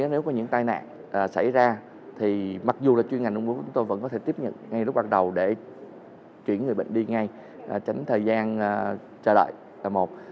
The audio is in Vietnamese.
nếu có những tai nạn xảy ra thì mặc dù là chuyên ngành ung bú chúng tôi vẫn có thể tiếp nhận ngay lúc bắt đầu để chuyển người bệnh đi ngay tránh thời gian chờ đợi là một